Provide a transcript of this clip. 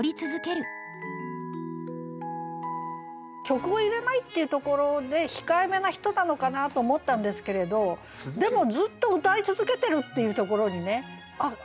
「曲を入れない」っていうところで控えめな人なのかなと思ったんですけれどでもずっと歌い続けてるっていうところにねあっ